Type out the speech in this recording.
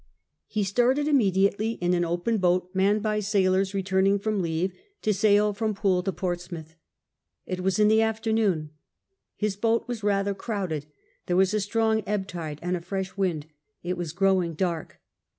He started immediately in an open boat, manned by sailors return ing from leave, to sail from Poole to Portsmouth. It was in the afternoon. His boat was rather crowded : there was a strong ebb tide and a fresh wind ; it was growing dark.